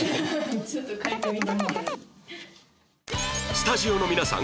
スタジオの皆さん